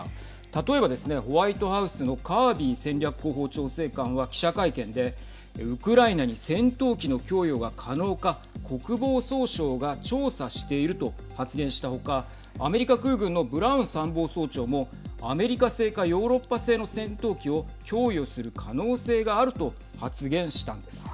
例えばですね、ホワイトハウスのカービー戦略広報調整官は記者会見で、ウクライナに戦闘機の供与が可能か国防総省が調査していると発言したほかアメリカ空軍のブラウン参謀総長もアメリカ製かヨーロッパ製の戦闘機を供与する可能性があると発言したんです。